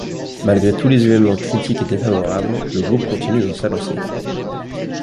Malgré tous les événements critiques et défavorables, le groupe continue dans sa lancée.